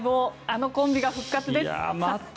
あのコンビが復活です。